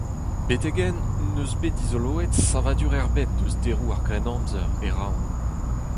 Betek-henn n'eus bet dizoloet savadur ebet eus deroù ar Grennamzer e Roazhon.